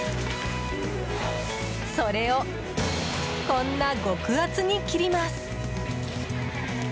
それを、こんな極厚に切ります。